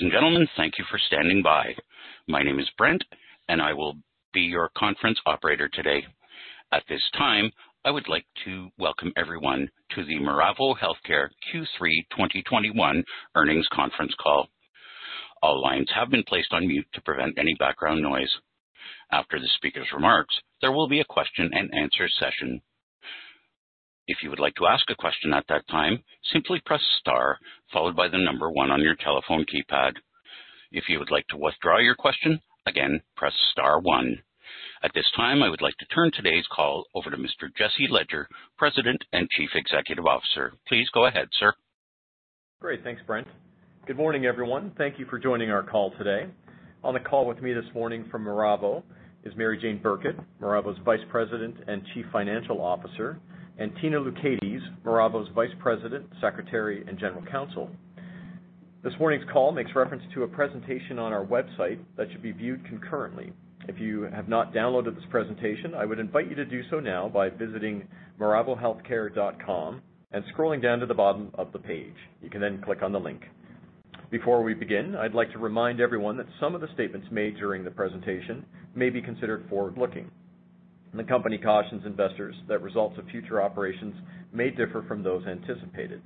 Ladies and gentlemen, thank you for standing by. My name is Brent, and I will be your conference operator today. At this time, I would like to welcome everyone to the Miravo Healthcare Q3 2021 earnings conference call. All lines have been placed on mute to prevent any background noise. After the speaker's remarks, there will be a question-and-answer session. If you would like to ask a question at that time, simply press star followed by the number one on your telephone keypad. If you would like to withdraw your question, again, press star one. At this time, I would like to turn today's call over to Mr. Jesse Ledger, President and Chief Executive Officer. Please go ahead, sir. Great. Thanks, Brent. Good morning, everyone. Thank you for joining our call today. On the call with me this morning from Miravo is Mary-Jane Burkett, Miravo's Vice President and Chief Financial Officer, and Katina Loucaides, Miravo's Vice President, Secretary, and General Counsel. This morning's call makes reference to a presentation on our website that should be viewed concurrently. If you have not downloaded this presentation, I would invite you to do so now by visiting miravohealthcare.com and scrolling down to the bottom of the page. You can then click on the link. Before we begin, I'd like to remind everyone that some of the statements made during the presentation may be considered forward-looking. The company cautions investors that results of future operations may differ from those anticipated.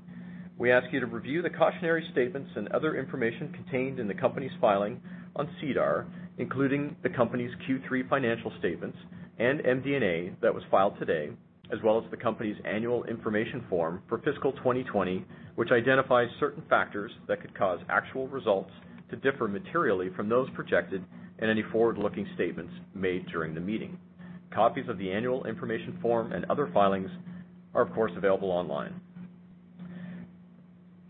We ask you to review the cautionary statements and other information contained in the company's filing on SEDAR, including the company's Q3 financial statements and MD&A that was filed today, as well as the company's annual information form for fiscal 2020, which identifies certain factors that could cause actual results to differ materially from those projected and any forward-looking statements made during the meeting. Copies of the annual information form and other filings are, of course, available online.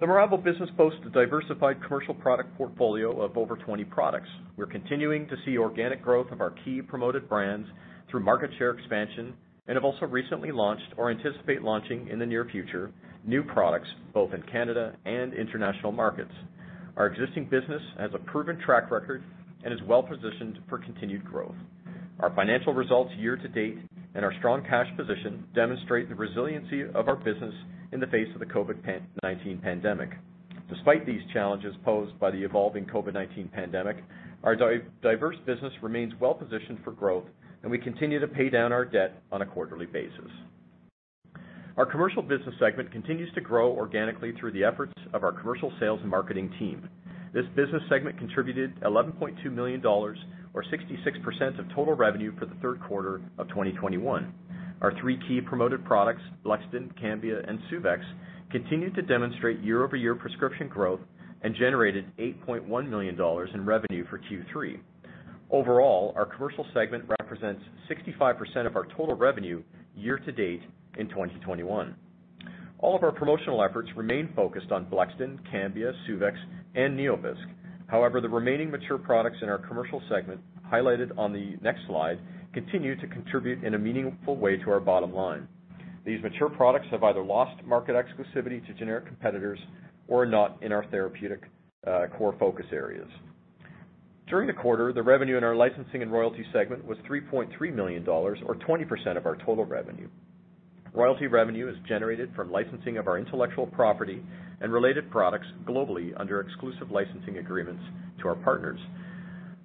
The Miravo business boasts a diversified commercial product portfolio of over 20 products. We're continuing to see organic growth of our key promoted brands through market share expansion and have also recently launched or anticipate launching in the near future new products both in Canada and international markets. Our existing business has a proven track record and is well-positioned for continued growth. Our financial results year-to-date and our strong cash position demonstrate the resiliency of our business in the face of the COVID-19 pandemic. Despite these challenges posed by the evolving COVID-19 pandemic, our diverse business remains well positioned for growth, and we continue to pay down our debt on a quarterly basis. Our commercial business segment continues to grow organically through the efforts of our commercial sales and marketing team. This business segment contributed 11.2 million dollars or 66% of total revenue for the third quarter of 2021. Our three key promoted products, Blexten, Cambia, and Suvexx, continued to demonstrate year-over-year prescription growth and generated 8.1 million dollars in revenue for Q3. Overall, our commercial segment represents 65% of our total revenue year-to-date in 2021. All of our promotional efforts remain focused on Blexten, Cambia, Suvexx, and NeoVisc. However, the remaining mature products in our commercial segment, highlighted on the next slide, continue to contribute in a meaningful way to our bottom line. These mature products have either lost market exclusivity to generic competitors or are not in our therapeutic core focus areas. During the quarter, the revenue in our licensing and royalty segment was 3.3 million dollars or 20% of our total revenue. Royalty revenue is generated from licensing of our intellectual property and related products globally under exclusive licensing agreements to our partners.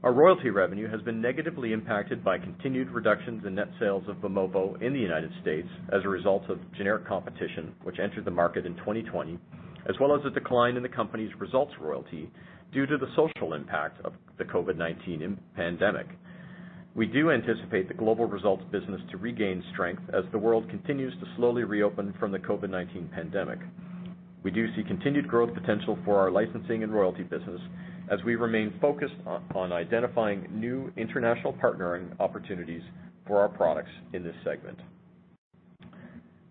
Our royalty revenue has been negatively impacted by continued reductions in net sales of Vimovo in the United States as a result of generic competition, which entered the market in 2020, as well as a decline in the company's Resultz royalty due to the social impact of the COVID-19 pandemic. We do anticipate the global results business to regain strength as the world continues to slowly reopen from the COVID-19 pandemic. We do see continued growth potential for our Licensing and Royalty Business as we remain focused on identifying new international partnering opportunities for our products in this segment.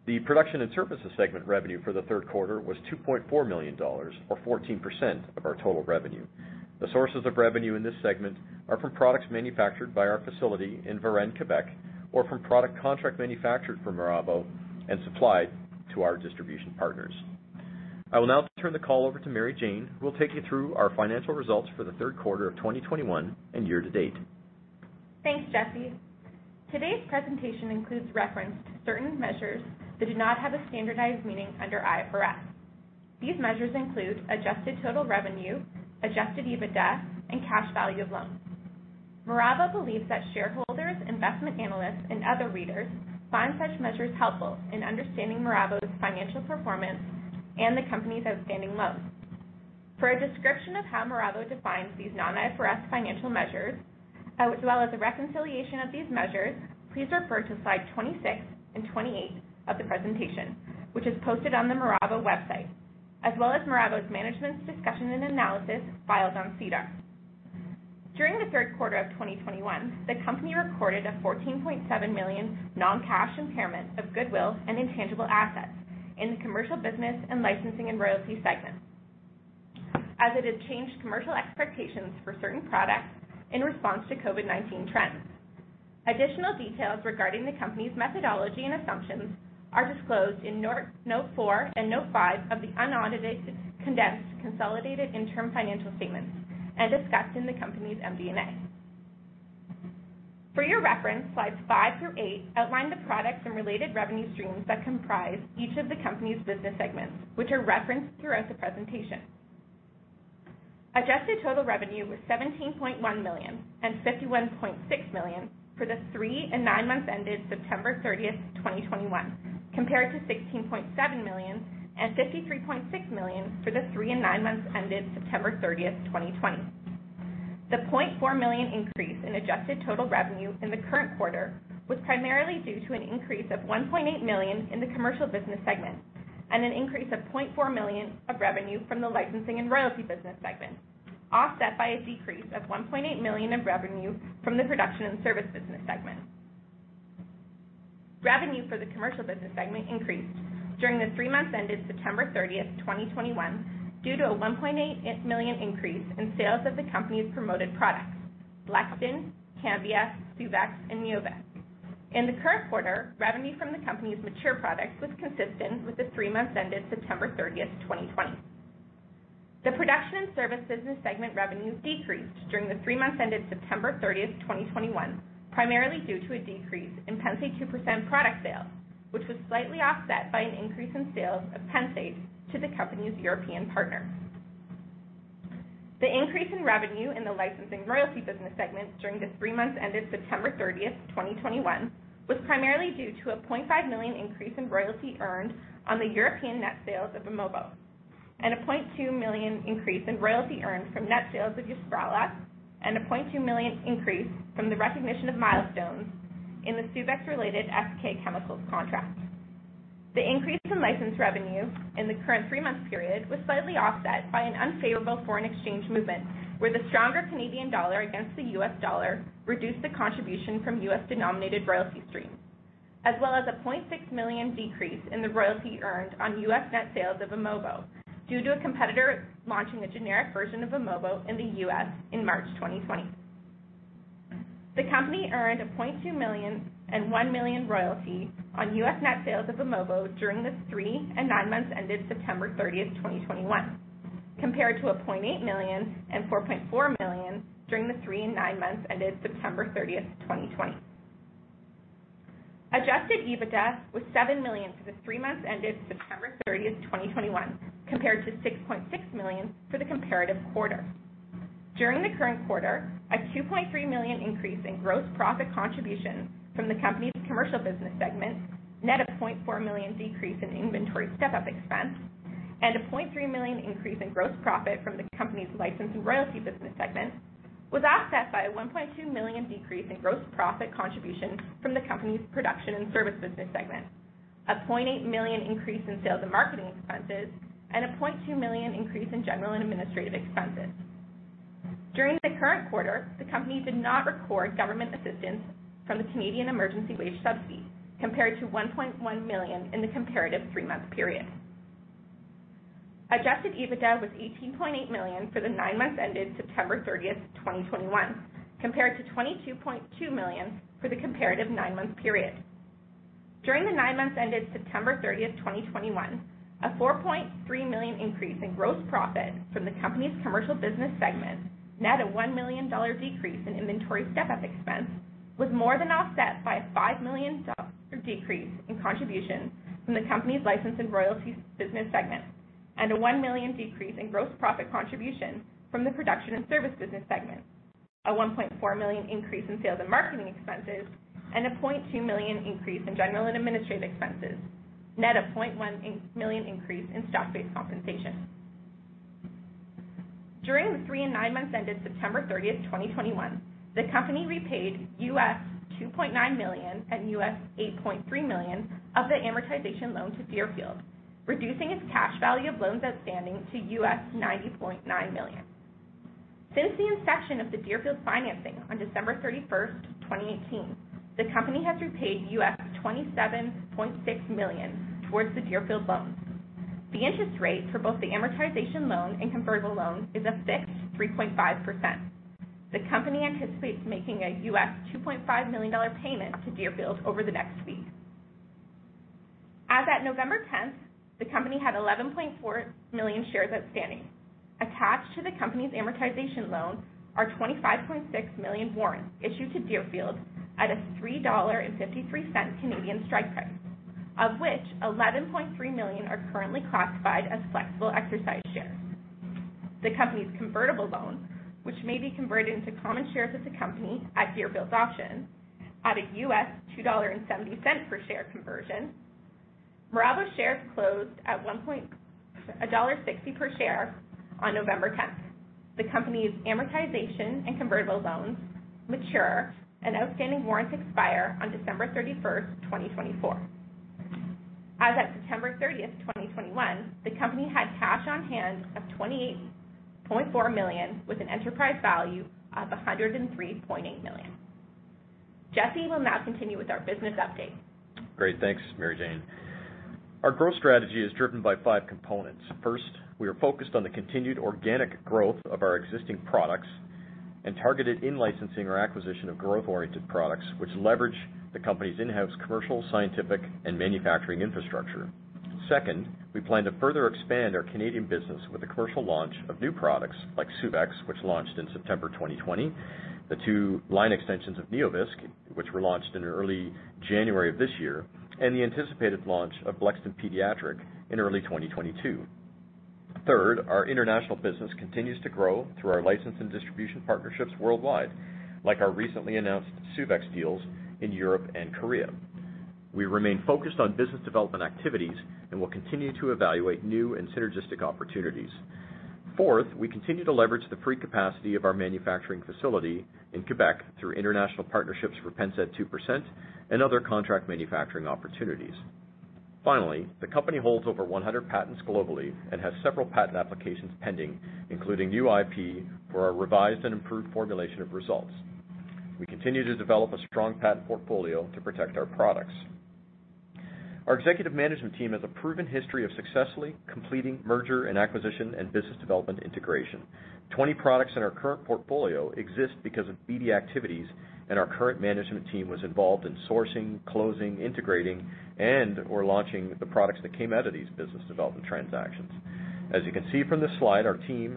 The Production and Services segment revenue for the third quarter was 2.4 million dollars or 14% of our total revenue. The sources of revenue in this segment are from products manufactured by our facility in Varennes, Québec, or from product contract manufactured for Miravo and supplied to our distribution partners. I will now turn the call over to Mary-Jane, who will take you through our financial results for the third quarter of 2021 and year to date. Thanks, Jesse. Today's presentation includes reference to certain measures that do not have a standardized meaning under IFRS. These measures include adjusted total revenue, adjusted EBITDA, and cash value of loans. Miravo believes that shareholders, investment analysts, and other readers find such measures helpful in understanding Miravo's financial performance and the company's outstanding loans. For a description of how Miravo defines these non-IFRS financial measures, as well as a reconciliation of these measures, please refer to slide 26 and 28 of the presentation, which is posted on the Miravo website, as well as Miravo's management's discussion and analysis filed on SEDAR. During the third quarter of 2021, the company recorded a CAD 14.7 million non-cash impairment of goodwill and intangible assets in the Commercial Business and Licensing and Royalty segments as it had changed commercial expectations for certain products in response to COVID-19 trends. Additional details regarding the company's methodology and assumptions are disclosed in Note 4 and Note 5 of the unaudited condensed consolidated interim financial statements and discussed in the company's MD&A. For your reference, slides five through eight outline the products and related revenue streams that comprise each of the company's business segments, which are referenced throughout the presentation. Adjusted total revenue was 17.1 million and 51.6 million for the three and nine months ended September 30th, 2021, compared to 16.7 million and 53.6 million for the three and nine months ended September 30th, 2020. The 0.4 million increase in adjusted total revenue in the current quarter was primarily due to an increase of 1.8 million in the Commercial Business segment and an increase of 0.4 million of revenue from the Licensing and Royalty Business segment, offset by a decrease of 1.8 million of revenue from the Production and Service business segment. Revenue for the Commercial Business segment increased during the three months ended September 30th, 2021, due to a 1.8 million increase in sales of the company's promoted products, Blexten, Cambia, Suvexx, and Vimovo. In the current quarter, revenue from the company's mature products was consistent with the three months ended September 30th, 2020. The Production and Service Business segment revenue decreased during the three months ended September 30th, 2021, primarily due to a decrease in Pennsaid 2% product sales, which was slightly offset by an increase in sales of Pennsaid to the company's European partner. The increase in revenue in the Licensing and Royalty Business segment during the three months ended September 30th, 2021, was primarily due to a 0.5 million increase in royalty earned on the European net sales of Vimovo, and a 0.2 million increase in royalty earned from net sales of Yosprala, and a 0.2 million increase from the recognition of milestones in the Suvexx-related SK Chemicals contract. The increase in license revenue in the current three-month period was slightly offset by an unfavorable foreign exchange movement where the stronger Canadian dollar against the U.S. dollar reduced the contribution from U.S.-denominated royalty streams. As well as a 0.6 million decrease in the royalty earned on U.S. net sales of Vimovo due to a competitor launching a generic version of Vimovo in the U.S. in March 2020. The company earned 0.2 million and 1 million royalty on U.S. net sales of Vimovo during the three and nine months ended September 30, 2021, compared to 0.8 million and 4.4 million during the three and nine months ended September 30, 2020. Adjusted EBITDA was 7 million for the three months ended September 30, 2021, compared to 6.6 million for the comparative quarter. During the current quarter, a 2.3 million increase in gross profit contribution from the company's Commercial Business segment net of a 0.4 million decrease in inventory step-up expense and a 0.3 million increase in gross profit from the company's License and Royalty Business Segment was offset by a 1.2 million decrease in gross profit contribution from the company's Production and Service Business Segment, a 0.8 million increase in sales and marketing expenses, and a 0.2 million increase in general and administrative expenses. During the current quarter, the company did not record government assistance from the Canada Emergency Wage Subsidy compared to 1.1 million in the comparative three-month period. Adjusted EBITDA was 18.8 million for the nine months ended September 30th, 2021, compared to 22.2 million for the comparative nine-month period. During the nine months ended September 30th, 2021, a 4.3 million increase in gross profit from the company's Commercial Business segment net of a 1 million dollar decrease in inventory step-up expense was more than offset by a 5 million dollar decrease in contributions from the company's License and Royalty Business segment, and a 1 million decrease in gross profit contribution from the Production and Service Business segment, a 1.4 million increase in sales and marketing expenses, and a 0.2 million increase in general and administrative expenses, net of a 0.1 million increase in stock-based compensation. During the three and nine months ended September 30th, 2021, the company repaid $2.9 million and $8.3 million of the amortization loan to Deerfield, reducing its cash value of loans outstanding to $90.9 million. Since the inception of the Deerfield financing on December 31st, 2018, the company has repaid $27.6 million towards the Deerfield loans. The interest rate for both the amortization loan and convertible loan is a fixed 3.5%. The company anticipates making a $2.5 million payment to Deerfield over the next week. As at November 10th, the company had 11.4 million shares outstanding. Attached to the company's amortization loan are 25.6 million warrants issued to Deerfield at a 3.53 Canadian dollars strike price, of which 11.3 million are currently classified as flexible exercise shares. The company's convertible loans, which may be converted into common shares of the company at Deerfield's option at a $2.70 per share conversion. Miravo shares closed at 1.60 dollar per share on November 10th. The company's amortization and convertible loans mature and outstanding warrants expire on December 31st, 2024. As at September 30th, 2021, the company had cash on hand of 28.4 million with an enterprise value of 103.8 million. Jesse will now continue with our business update. Great. Thanks, Mary Jane. Our growth strategy is driven by five components. First, we are focused on the continued organic growth of our existing products and targeted in-licensing or acquisition of growth-oriented products, which leverage the company's in-house commercial, scientific, and manufacturing infrastructure. Second, we plan to further expand our Canadian business with the commercial launch of new products like Suvexx, which launched in September 2020, the two line extensions of NeoVisc, which were launched in early January of this year, and the anticipated launch of Blexten Pediatric in early 2022. Third, our international business continues to grow through our license and distribution partnerships worldwide, like our recently announced Suvexx deals in Europe and Korea. We remain focused on business development activities and will continue to evaluate new and synergistic opportunities. Fourth, we continue to leverage the free capacity of our manufacturing facility in Québec through international partnerships for Pennsaid 2% and other contract manufacturing opportunities. Finally, the company holds over 100 patents globally and has several patent applications pending, including new IP for our revised and improved formulation of Resultz. We continue to develop a strong patent portfolio to protect our products. Our executive management team has a proven history of successfully completing mergers and acquisitions and business development integration. 20 products in our current portfolio exist because of BD activities, and our current management team was involved in sourcing, closing, integrating, and/or launching the products that came out of these business development transactions. As you can see from this slide, our team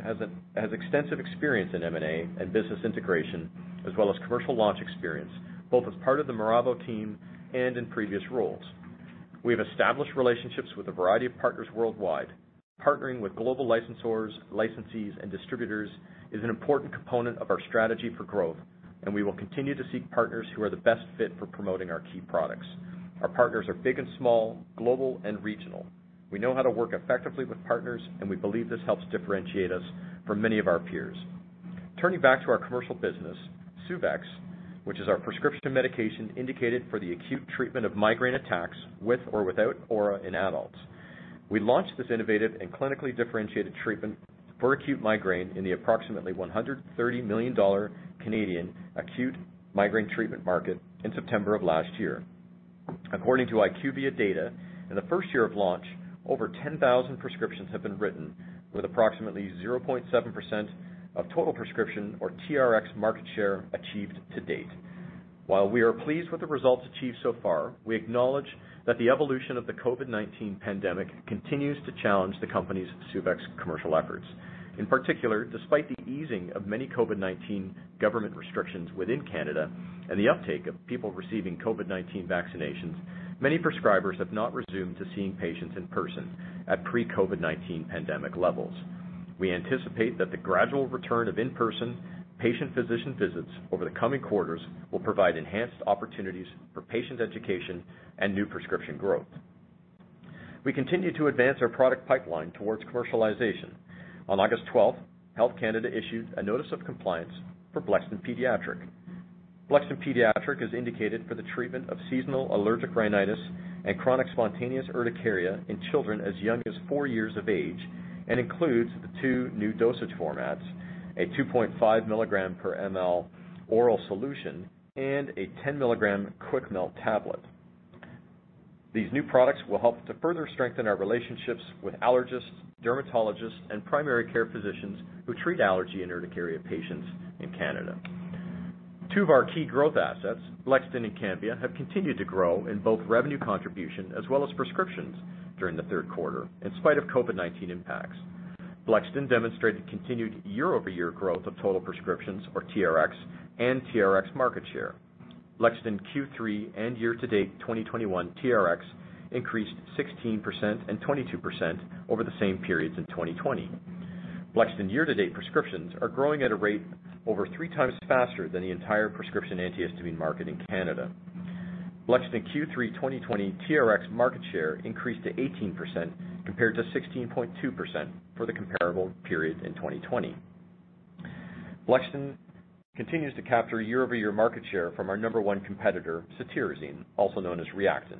has extensive experience in M&A and business integration, as well as commercial launch experience, both as part of the Miravo team and in previous roles. We have established relationships with a variety of partners worldwide. Partnering with global licensors, licensees, and distributors is an important component of our strategy for growth, and we will continue to seek partners who are the best fit for promoting our key products. Our partners are big and small, global and regional. We know how to work effectively with partners, and we believe this helps differentiate us from many of our peers. Turning back to our commercial business, Suvexx, which is our prescription medication indicated for the acute treatment of migraine attacks with or without aura in adults. We launched this innovative and clinically differentiated treatment for acute migraine in the approximately 130 million Canadian dollars Canadian acute migraine treatment market in September of last year. According to IQVIA data, in the first year of launch, over 10,000 prescriptions have been written with approximately 0.7% of total prescription or TRX market share achieved to date. While we are pleased with the results achieved so far, we acknowledge that the evolution of the COVID-19 pandemic continues to challenge the company's Suvexx commercial efforts. In particular, despite the easing of many COVID-19 government restrictions within Canada and the uptake of people receiving COVID-19 vaccinations, many prescribers have not resumed to seeing patients in person at pre-COVID-19 pandemic levels. We anticipate that the gradual return of in-person patient-physician visits over the coming quarters will provide enhanced opportunities for patient education and new prescription growth. We continue to advance our product pipeline towards commercialization. On August 12th, Health Canada issued a Notice of Compliance for Blexten Pediatric. Blexten Pediatric is indicated for the treatment of seasonal allergic rhinitis and chronic spontaneous urticaria in children as young as four years of age and includes the two new dosage formats, a 2.5 mg/mL oral solution, and a 10-mg quick melt tablet. These new products will help to further strengthen our relationships with allergists, dermatologists, and primary care physicians who treat allergy and urticaria patients in Canada. Two of our key growth assets, Blexten and Cambia, have continued to grow in both revenue contribution as well as prescriptions during the third quarter, in spite of COVID-19 impacts. Blexten demonstrated continued year-over-year growth of total prescriptions or TRX and TRX market share. Blexten Q3 and year-to-date 2021 TRX increased 16% and 22% over the same periods in 2020. Blexten year-to-date prescriptions are growing at a rate over three times faster than the entire prescription antihistamine market in Canada. Blexten Q3 2020 TRX market share increased to 18% compared to 16.2% for the comparable period in 2020. Blexten continues to capture year-over-year market share from our number one competitor, cetirizine, also known as Reactine.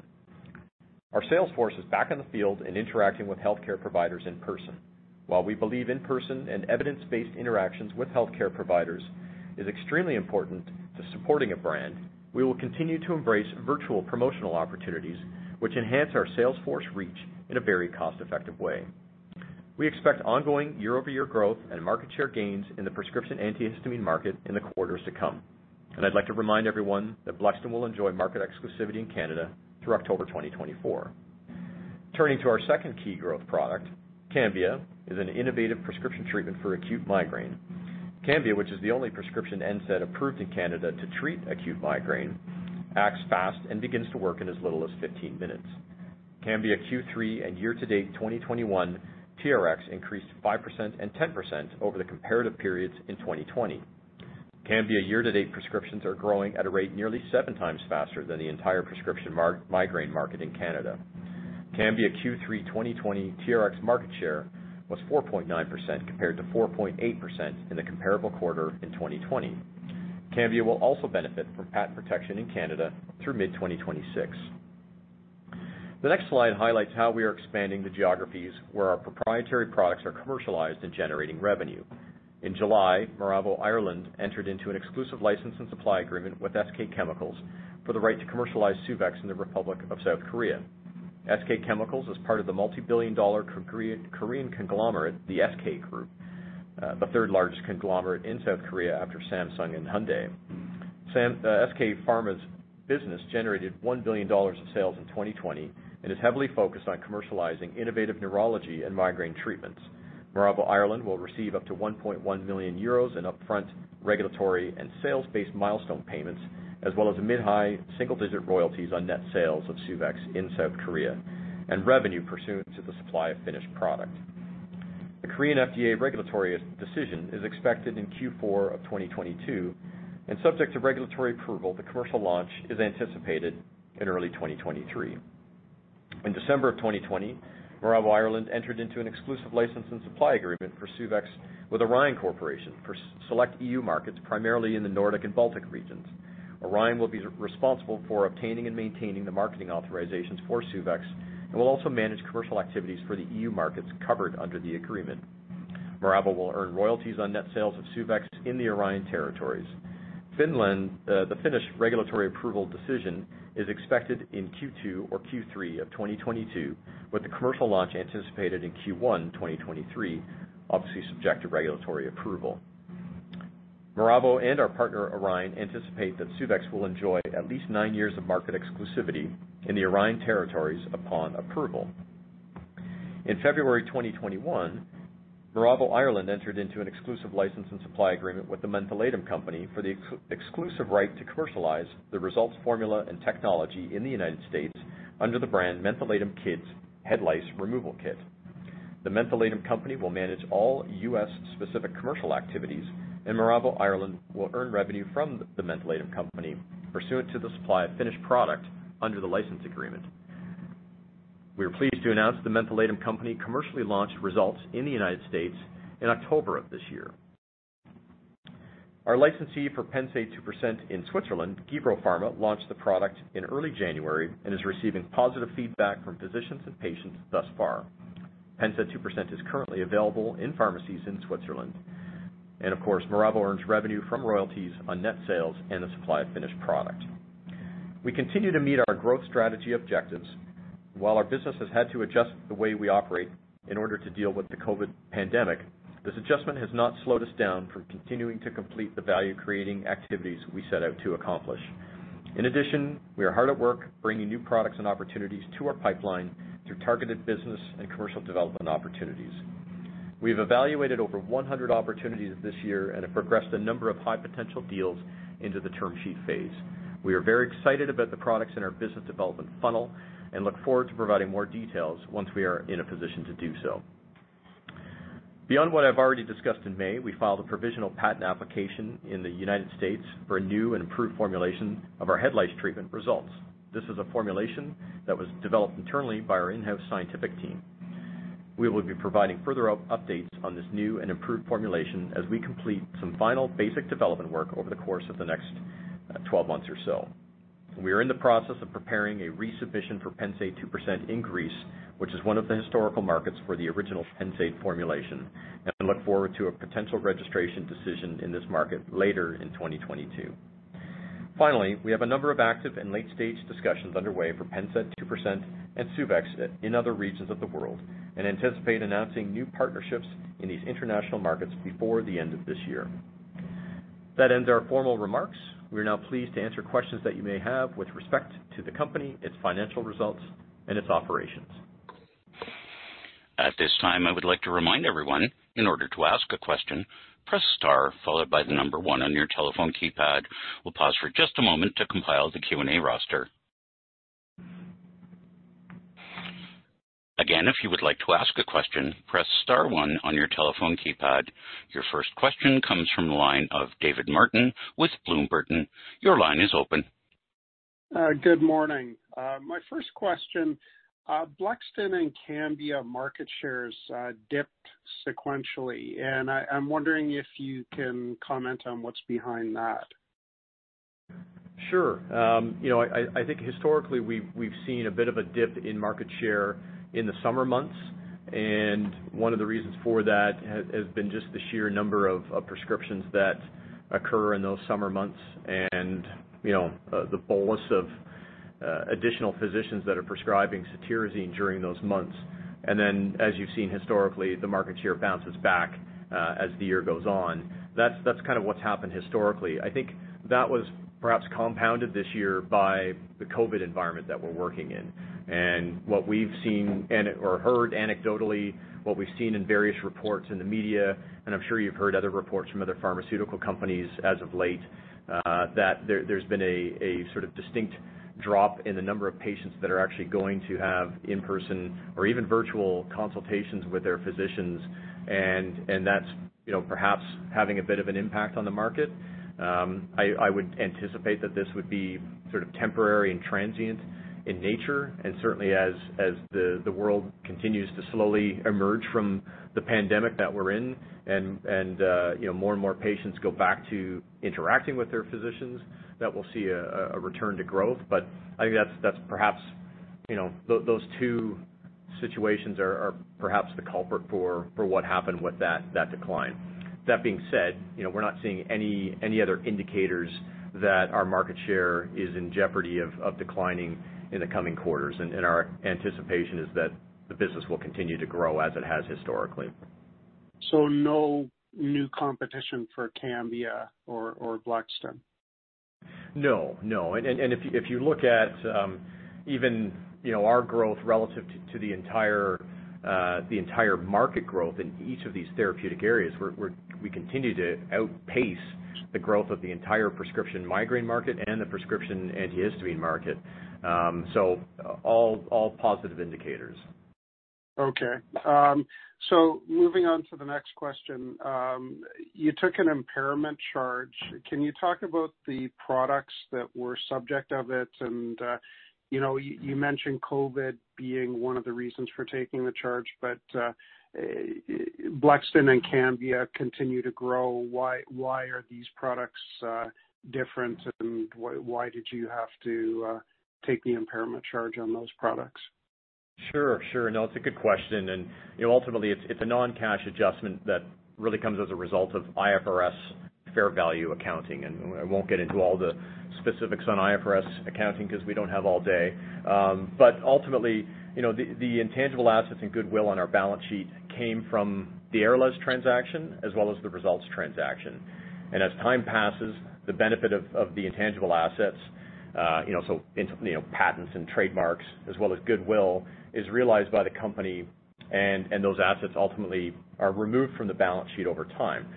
Our sales force is back in the field and interacting with healthcare providers in person. While we believe in-person and evidence-based interactions with healthcare providers is extremely important to supporting a brand, we will continue to embrace virtual promotional opportunities which enhance our sales force reach in a very cost-effective way. We expect ongoing year-over-year growth and market share gains in the prescription antihistamine market in the quarters to come. I'd like to remind everyone that Blexten will enjoy market exclusivity in Canada through October 2024. Turning to our second key growth product, Cambia is an innovative prescription treatment for acute migraine. Cambia, which is the only prescription NSAID approved in Canada to treat acute migraine, acts fast and begins to work in as little as 15 minutes. Cambia Q3 and year-to-date 2021 TRX increased 5% and 10% over the comparative periods in 2020. Cambia year-to-date prescriptions are growing at a rate nearly seven times faster than the entire prescription migraine market in Canada. Cambia Q3 2021 TRX market share was 4.9% compared to 4.8% in the comparable quarter in 2020. Cambia will also benefit from patent protection in Canada through mid-2026. The next slide highlights how we are expanding the geographies where our proprietary products are commercialized and generating revenue. In July, Miravo Ireland entered into an exclusive license and supply agreement with SK Chemicals for the right to commercialize Suvexx in the Republic of South Korea. SK Chemicals is part of the multibillion-dollar Korean conglomerate, the SK Group. The third largest conglomerate in South Korea after Samsung and Hyundai. SK Pharma's business generated $1 billion in sales in 2020 and is heavily focused on commercializing innovative neurology and migraine treatments. Miravo Ireland will receive up to 1.1 million euros in upfront regulatory and sales-based milestone payments, as well as mid-high single-digit royalties on net sales of Suvexx in South Korea, and revenue pursuant to the supply of finished product. The Korean FDA regulatory decision is expected in Q4 of 2022, and subject to regulatory approval, the commercial launch is anticipated in early 2023. In December of 2020, Miravo Ireland entered into an exclusive license and supply agreement for Suvexx with Orion Corporation for select EU markets, primarily in the Nordic and Baltic regions. Orion will be responsible for obtaining and maintaining the marketing authorizations for Suvexx and will also manage commercial activities for the EU markets covered under the agreement. Miravo will earn royalties on net sales of Suvexx in the Orion territories. The Finnish regulatory approval decision is expected in Q2 or Q3 of 2022, with the commercial launch anticipated in Q1 2023, obviously subject to regulatory approval. Miravo and our partner, Orion, anticipate that Suvexx will enjoy at least nine years of market exclusivity in the Orion territories upon approval. In February 2021, Miravo Ireland entered into an exclusive license and supply agreement with The Mentholatum Company for the exclusive right to commercialize the Resultz formula and technology in the United States under the brand Mentholatum Kids Head Lice Removal Kit. The Mentholatum Company will manage all U.S.-specific commercial activities, and Miravo Ireland will earn revenue from The Mentholatum Company pursuant to the supply of finished product under the license agreement. We are pleased to announce The Mentholatum Company commercially launched Resultz in the United States in October of this year. Our licensee for Pennsaid 2% in Switzerland, Gebro Pharma, launched the product in early January and is receiving positive feedback from physicians and patients thus far. Pennsaid 2% is currently available in pharmacies in Switzerland. Of course, Miravo earns revenue from royalties on net sales and the supply of finished product. We continue to meet our growth strategy objectives. While our business has had to adjust the way we operate in order to deal with the COVID-19 pandemic, this adjustment has not slowed us down from continuing to complete the value-creating activities we set out to accomplish. In addition, we are hard at work bringing new products and opportunities to our pipeline through targeted business and commercial development opportunities. We have evaluated over 100 opportunities this year and have progressed a number of high-potential deals into the term sheet phase. We are very excited about the products in our business development funnel and look forward to providing more details once we are in a position to do so. Beyond what I've already discussed in May, we filed a provisional patent application in the United States for a new and improved formulation of our head lice treatment, Resultz. This is a formulation that was developed internally by our in-house scientific team. We will be providing further updates on this new and improved formulation as we complete some final basic development work over the course of the next 12 months or so. We are in the process of preparing a resubmission for Pennsaid 2% in Greece, which is one of the historical markets for the original Pennsaid formulation, and look forward to a potential registration decision in this market later in 2022. Finally, we have a number of active and late-stage discussions underway for Pennsaid 2% and Suvexx in other regions of the world and anticipate announcing new partnerships in these international markets before the end of this year. That ends our formal remarks. We are now pleased to answer questions that you may have with respect to the company, its financial results, and its operations. At this time, I would like to remind everyone, in order to ask a question, press star followed by the number one on your telephone keypad. We'll pause for just a moment to compile the Q&A roster. Again, if you would like to ask a question, press star one on your telephone keypad. Your first question comes from the line of David Martin with Bloom Burton. Your line is open. Good morning. My first question, Blexten and Cambia market shares dipped sequentially, and I'm wondering if you can comment on what's behind that. Sure. I think historically, we've seen a bit of a dip in market share in the summer months, and one of the reasons for that has been just the sheer number of prescriptions that occur in those summer months and the bolus of additional physicians that are prescribing cetirizine during those months. As you've seen historically, the market share bounces back as the year goes on. That's kind of what's happened historically. I think that was perhaps compounded this year by the COVID environment that we're working in. What we've seen or heard anecdotally, what we've seen in various reports in the media, and I'm sure you've heard other reports from other pharmaceutical companies as of late, that there's been a sort of distinct drop in the number of patients that are actually going to have in-person or even virtual consultations with their physicians, and that's perhaps having a bit of an impact on the market. I would anticipate that this would be sort of temporary and transient in nature, and certainly as the world continues to slowly emerge from the pandemic that we're in and more and more patients go back to interacting with their physicians, that we'll see a return to growth. I think that's perhaps those two situations are perhaps the culprit for what happened with that decline. That being said, we're not seeing any other indicators that our market share is in jeopardy of declining in the coming quarters. Our anticipation is that the business will continue to grow as it has historically. No new competition for Cambia or Blexten? No. If you look at even our growth relative to the entire market growth in each of these therapeutic areas, we continue to outpace the growth of the entire prescription migraine market and the prescription antihistamine market. All positive indicators. Okay. Moving on to the next question. You took an impairment charge. Can you talk about the products that were subject to it? You mentioned COVID being one of the reasons for taking the charge, but Blexten and Cambia continue to grow. Why are these products different, and why did you have to take the impairment charge on those products? Sure. No, it's a good question. Ultimately, it's a non-cash adjustment that really comes as a result of IFRS fair value accounting. I won't get into all the specifics on IFRS accounting because we don't have all day. Ultimately, the intangible assets and goodwill on our balance sheet came from the Aralez transaction as well as the Resultz transaction. As time passes, the benefit of the intangible assets, so patents and trademarks as well as goodwill, is realized by the company and those assets ultimately are removed from the balance sheet over time.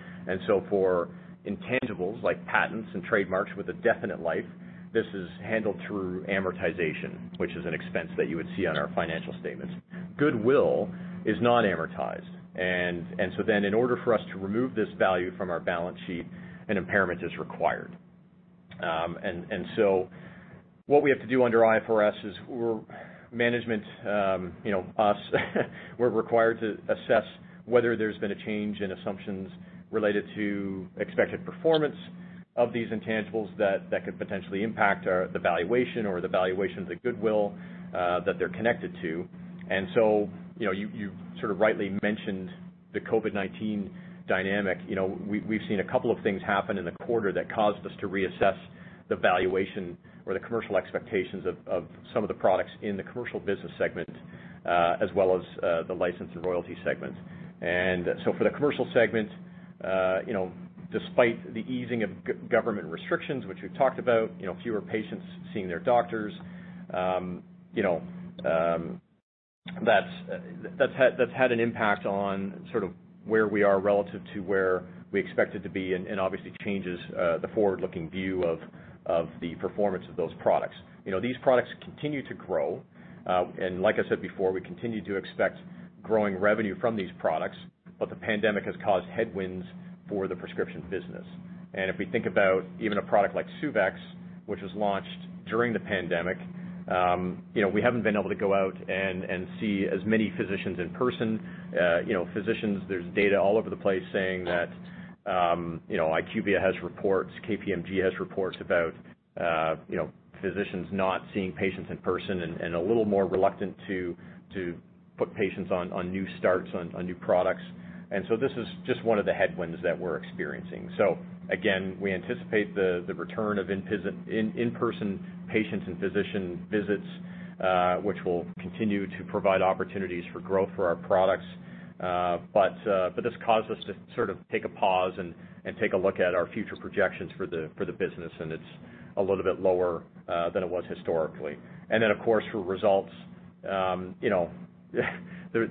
For intangibles, like patents and trademarks with a definite life, this is handled through amortization, which is an expense that you would see on our financial statements. Goodwill is not amortized. In order for us to remove this value from our balance sheet, an impairment is required. What we have to do under IFRS is, as management, we're required to assess whether there's been a change in assumptions related to expected performance of these intangibles that could potentially impact the valuation of the goodwill that they're connected to. You rightly mentioned the COVID-19 dynamic. We've seen a couple of things happen in the quarter that caused us to reassess the valuation or the commercial expectations of some of the products in the Commercial Business segment as well as the License and Royalty segment. For the Commercial segment, despite the easing of government restrictions, which we've talked about, fewer patients seeing their doctors, that's had an impact on sort of where we are relative to where we expect it to be, and obviously changes the forward-looking view of the performance of those products. These products continue to grow. Like I said before, we continue to expect growing revenue from these products, but the pandemic has caused headwinds for the prescription business. If we think about even a product like Suvexx, which was launched during the pandemic, we haven't been able to go out and see as many physicians in person. There's data all over the place saying that IQVIA has reports, KPMG has reports about physicians not seeing patients in person and are a little more reluctant to put patients on new starts on new products. This is just one of the headwinds that we're experiencing. Again, we anticipate the return of in-person patients and physician visits, which will continue to provide opportunities for growth for our products. This caused us to sort of take a pause and take a look at our future projections for the business, and it's a little bit lower than it was historically. Of course, for Resultz, the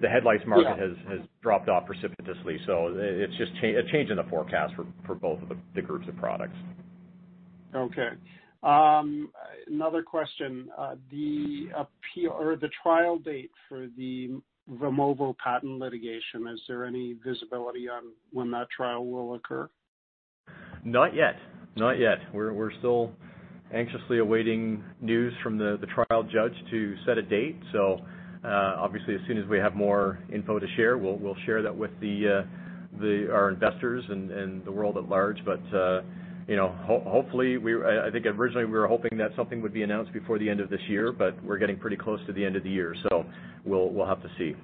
head lice market has dropped off precipitously. It's just a change in the forecast for both of the groups of products. Okay. Another question. The trial date for the Vimovo patent litigation, is there any visibility on when that trial will occur? Not yet. We're still anxiously awaiting news from the trial judge to set a date. Obviously as soon as we have more info to share, we'll share that with our investors and the world at large. I think originally we were hoping that something would be announced before the end of this year, but we're getting pretty close to the end of the year, so we'll have to see.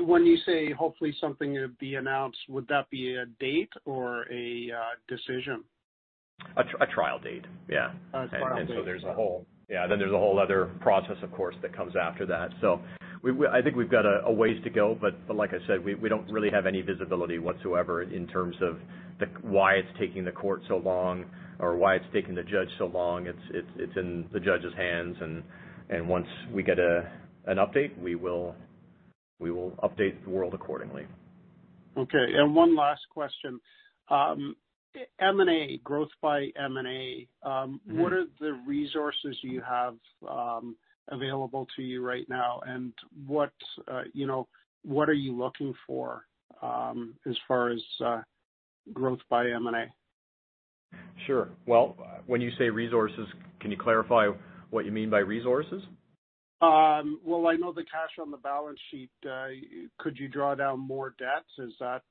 When you say hopefully something will be announced, would that be a date or a decision? A trial date. Yeah. A trial date. Yeah. There's a whole other process, of course, that comes after that. I think we've got a ways to go, but like I said, we don't really have any visibility whatsoever in terms of why it's taking the court so long or why it's taking the judge so long. It's in the judge's hands, and once we get an update, we will update the world accordingly. Okay. One last question. M&A growth by M&A? Mm-hmm. What are the resources you have available to you right now, and what are you looking for as far as growth by M&A? Sure. Well, when you say resources, can you clarify what you mean by resources? Well, I know the cash on the balance sheet. Could you draw down more debts? Is that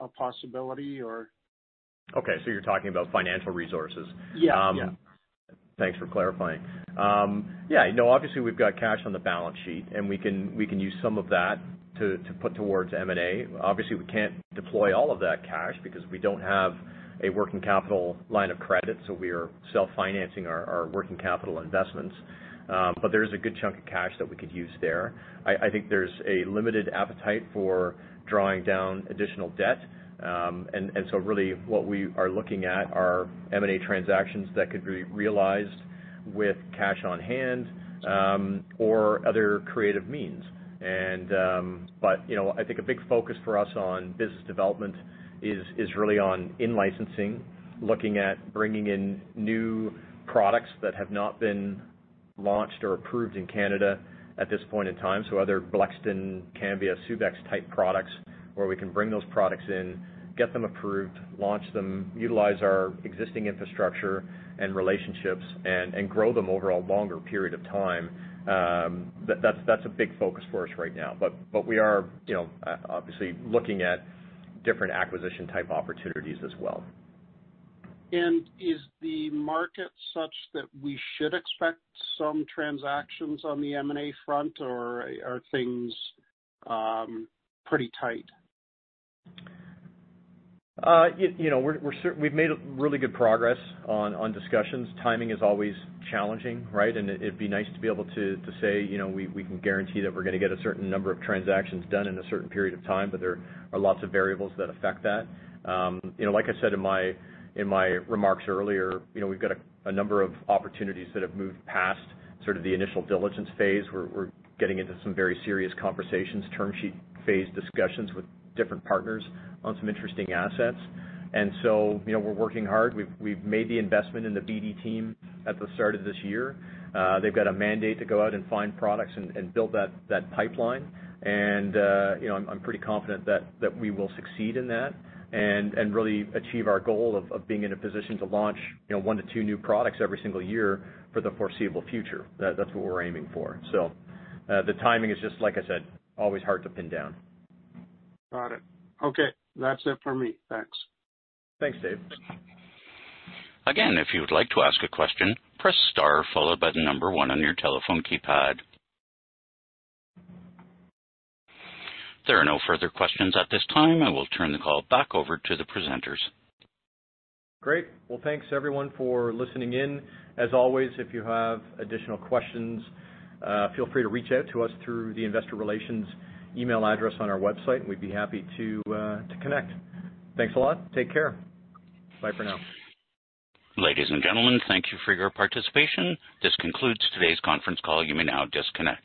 a possibility, or? Okay, you're talking about financial resources. Yeah. Thanks for clarifying. Yeah. Obviously, we've got cash on the balance sheet, and we can use some of that to put towards M&A. Obviously, we can't deploy all of that cash because we don't have a working capital line of credit, so we are self-financing our working capital investments. There is a good chunk of cash that we could use there. I think there's a limited appetite for drawing down additional debt. Really what we are looking at are M&A transactions that could be realized with cash on hand or other creative means. I think a big focus for us on business development is really on in-licensing, looking at bringing in new products that have not been launched or approved in Canada at this point in time. Other Blexten, Cambia, Suvexx type products where we can bring those products in, get them approved, launch them, utilize our existing infrastructure and relationships and grow them over a longer period of time. That's a big focus for us right now. We are obviously looking at different acquisition type opportunities as well. Is the market such that we should expect some transactions on the M&A front, or are things pretty tight? We've made really good progress on discussions. Timing is always challenging, right? It'd be nice to be able to say we can guarantee that we're going to get a certain number of transactions done in a certain period of time, but there are lots of variables that affect that. Like I said in my remarks earlier, we've got a number of opportunities that have moved past sort of the initial diligence phase. We're getting into some very serious conversations, term sheet phase discussions with different partners on some interesting assets. We're working hard. We've made the investment in the BD team at the start of this year. They've got a mandate to go out and find products and build that pipeline. I'm pretty confident that we will succeed in that and really achieve our goal of being in a position to launch 1-2 new products every single year for the foreseeable future. That's what we're aiming for. The timing is just, like I said, always hard to pin down. Got it. Okay. That's it for me. Thanks. Thanks, Dave. If you would like to ask a question, press star followed by the number one on your telephone keypad. There are no further questions at this time. I will turn the call back over to the presenters. Great. Well, thanks everyone for listening in. As always, if you have additional questions, feel free to reach out to us through the investor relations email address on our website, and we'd be happy to connect. Thanks a lot. Take care. Bye for now. Ladies and gentlemen, thank you for your participation. This concludes today's conference call. You may now disconnect.